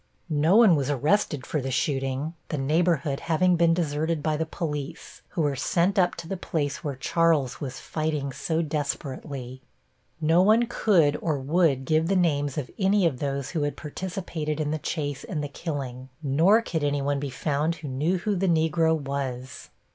No one was arrested for the shooting, the neighborhood having been deserted by the police, who were sent up to the place where Charles was fighting so desperately. No one could or would give the names of any of those who had participated in the chase and the killing, nor could any one be found who knew who the Negro was.